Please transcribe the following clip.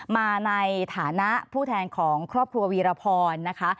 มาในฐานะผู้แทนของครอบครัววีรพรนะคะ